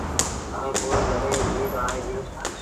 ائيٚݩ پو جڏهيݩ ايٚد آئي ديٚ۔